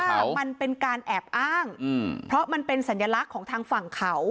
มันเป็นการแอบอ้างเพราะมันเป็นสัญลักษณ์ของทางฝั่งเขา